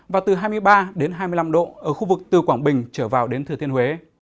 và từ hai mươi ba đến hai mươi năm độ ở khu vực từ quảng bình trở vào đến thừa thiên huế